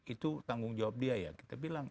itu tanggung jawab dia ya kita bilang